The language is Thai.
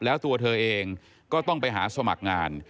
แล้วตัวเธอเองก็ต้องไปหาสมัครงาน